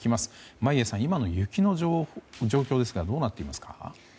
眞家さん、今の雪の状況ですがどうなっていますか。